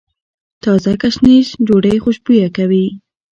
تازه ګشنیز ډوډۍ خوشبويه کوي.